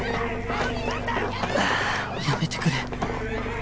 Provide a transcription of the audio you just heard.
やめてくれ！